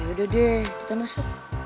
yaudah deh kita masuk